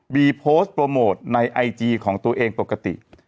โพสต์โปรโมทในไอจีของตัวเองปกติ